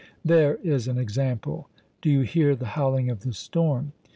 There is an example! Do you hear the howling of the storm?